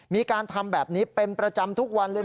มีการทำแบบนี้เป็นประจำทุกวันเลย